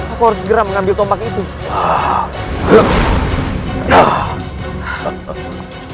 aku harus segera mengambil tomat itu